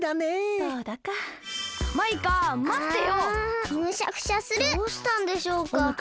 どうしたんでしょうか？